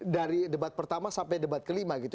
dari debat pertama sampai debat kelima gitu